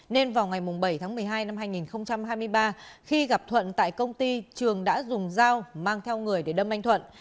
nên vào ngày bảy tháng một mươi hai năm hai nghìn hai mươi ba khi gặp thuận tại công ty trường đã dùng dao mang theo người để đâm anh thuận